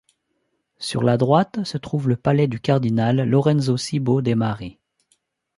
Sur la droite, se trouve le palais du du cardinal Lorenzo Cibo de' Mari.